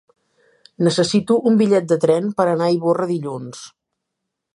Necessito un bitllet de tren per anar a Ivorra dilluns.